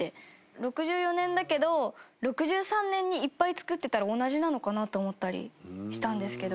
６４年だけど６３年に、いっぱい作ってたら同じなのかなと思ったりしたんですけど。